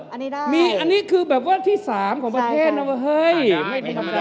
อันนี้ได้มีอันนี้คือแบบว่าที่สามของประเทศนะว่าเฮ้ยไม่ธรรมดา